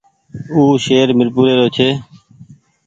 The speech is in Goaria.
او شهر ميرپور رو ڇي۔